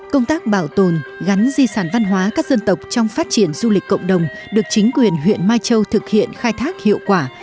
công tác bảo tồn gắn di sản văn hóa các dân tộc trong phát triển du lịch cộng đồng được chính quyền huyện mai châu thực hiện khai thác hiệu quả